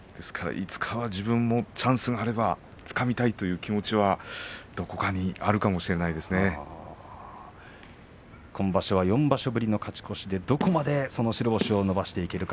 いつかは自分にもチャンスがあればつかみたいという気持ちは今場所４場所ぶりの勝ち越しでどこまで白星を伸ばしていけるか。